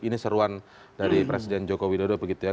ini seruan dari presiden joko widodo begitu ya